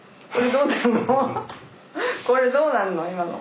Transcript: これどうなの？